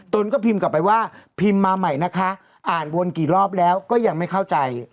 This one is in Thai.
นก็พิมพ์กลับไปว่าพิมพ์มาใหม่นะคะอ่านวนกี่รอบแล้วก็ยังไม่เข้าใจ